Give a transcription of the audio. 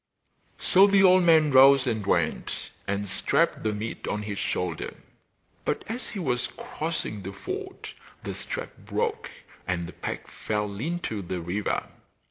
So the old man rose and went, and strapped the meat on his shoulder; but as he was crossing the ford the strap broke and the pack fell into the river.